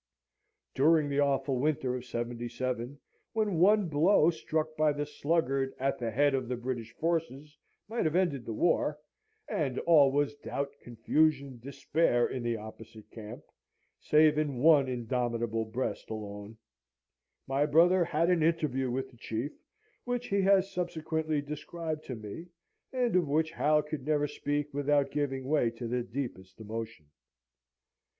During the awful winter of '77, when one blow struck by the sluggard at the head of the British forces might have ended the war, and all was doubt, confusion, despair in the opposite camp (save in one indomitable breast alone), my brother had an interview with the Chief, which he has subsequently described to me, and of which Hal could never speak without giving way to the deepest emotion.